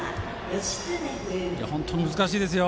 本当に難しいですよ。